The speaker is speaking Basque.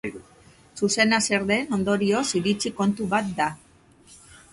Zuzena zer den, ondorioz, iritzi kontu bat da.